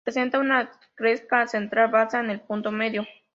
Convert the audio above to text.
Presenta una cresta central baja en el punto medio.